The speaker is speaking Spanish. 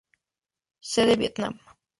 Sede: Vietnam.